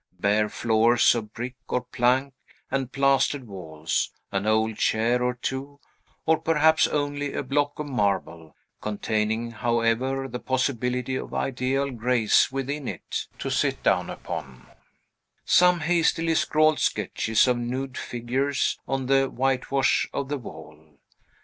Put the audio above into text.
Bare floors of brick or plank, and plastered walls, an old chair or two, or perhaps only a block of marble (containing, however, the possibility of ideal grace within it) to sit down upon; some hastily scrawled sketches of nude figures on the whitewash of the wall.